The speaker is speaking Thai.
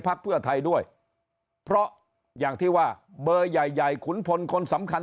พักเพื่อไทยด้วยเพราะอย่างที่ว่าเบอร์ใหญ่ใหญ่ขุนพลคนสำคัญ